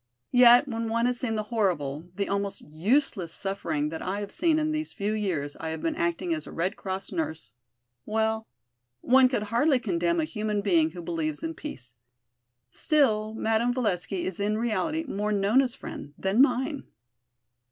Yet when one has seen the horrible, the almost useless suffering that I have seen in these few years I have been acting as a Red Cross nurse, well, one can hardly condemn a human being who believes in peace. Still, Madame Valesky is in reality more Nona's friend than mine."